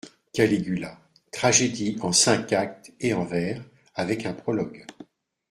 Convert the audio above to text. =Caligula.= Tragédie en cinq actes et en vers, avec un prologue.